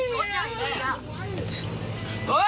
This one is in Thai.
มันจะเปิดออกเปล่า